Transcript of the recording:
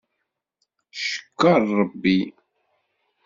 Ckeṛ Rebbi.